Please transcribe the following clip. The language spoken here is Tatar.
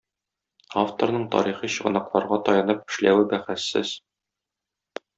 Авторның тарихи чыганакларга таянып эшләве бәхәссез.